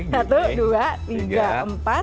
satu dua tiga empat